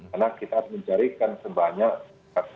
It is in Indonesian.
karena kita harus mencarikan sebanyak